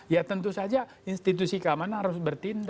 ya tentu saja institusi keamanan harus bertindak